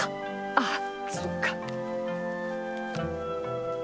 ・ああそっか。